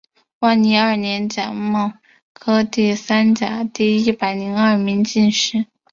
万历二年甲戌科第三甲第一百零二名进士。